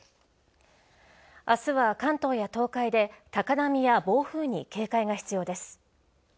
明日は関東や東海で高波や暴風に警戒が必要です。